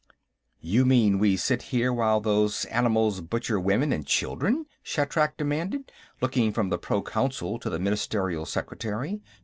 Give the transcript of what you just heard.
"You mean, we sit here while those animals butcher women and children?" Shatrak demanded, looking from the Proconsul to the Ministerial Secretary.